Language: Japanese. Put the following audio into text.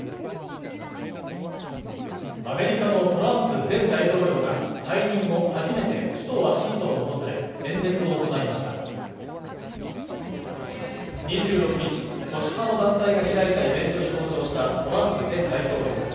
アメリカのトランプ前大統領が退任後初めて首都ワシントンを訪れ演説を行いました２６日保守派の団体が開いたイベントに登場したトランプ大統領